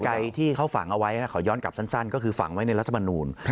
ใจที่เขาฝังเอาไว้นะขอย้อนกลับสั้นก็คือฝังไว้ในรัฐมนูล